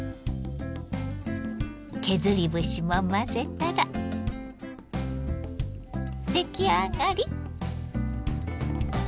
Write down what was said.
削り節も混ぜたら出来上がり。